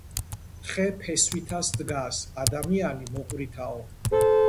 ხე ფესვითა სდგას, ადამიანი მოყვრითაო